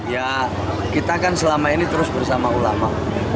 ya kita kan selama ini terus bersama ulama